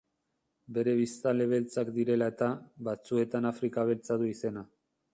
Bere biztanle beltzak direla eta, batzuetan Afrika Beltza du izena.